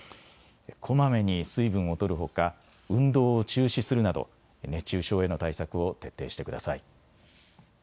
こまめに水分をとるほか運動を中止するなど熱中症への対策を徹底してください。